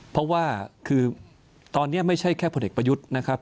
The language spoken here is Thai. เพราะว่าคือตอนนี้ไม่ใช่แค่ผลเอกประยุทธ์นะครับ